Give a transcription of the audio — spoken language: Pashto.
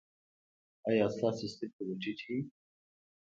ایا ستاسو سترګې به ټیټې وي؟